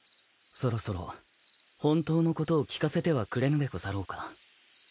そろそろ本当のことを聞かせてはくれぬでござろうか。